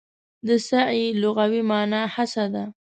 د سعې لغوي مانا هڅه ده.